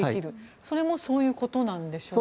それもそういうことなんでしょうか。